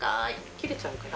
切れちゃうから。